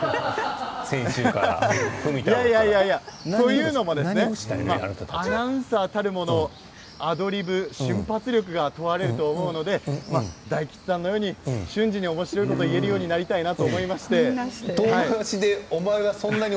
先週のふみたろうから。というのもアナウンサーたるものアドリブ、瞬発力が問われると思うので大吉さんのように瞬時におもしろいことが言えるようになりたいなと思いまして。